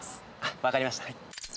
わかりました。